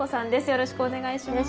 よろしくお願いします。